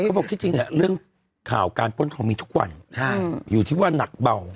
บอกที่จริงเนี่ยเรื่องข่าวการป้นทองมีทุกวันอยู่ที่ว่านักเบา